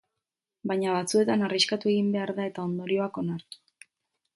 Baina, batzuetan arriskatu egin behar da eta ondorioak onartu.